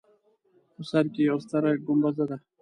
په سر کې یوه ستره ګومبزه ده.